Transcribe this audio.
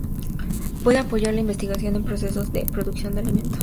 Puede apoyar la investigación en procesos de producción de alimentos.